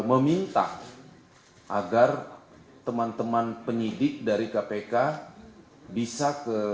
meminta agar teman teman penyidik dari kpk bisa ke